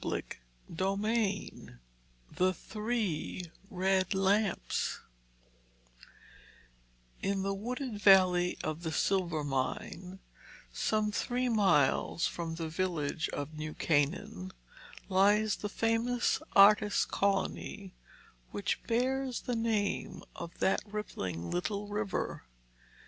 Chapter II THE THREE RED LAMPS In the wooded valley of the Silvermine, some three miles from the village of New Canaan, lies the famous artists' colony which bears the name of that rippling little river.